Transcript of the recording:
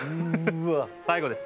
最後です。